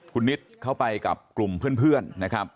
คุณนิดเข้าไปกับกลุ่มเพื่อนนะครับ